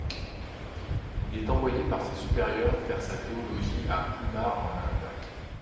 Il est envoyé par ses supérieurs faire sa théologie à Poona, en Inde.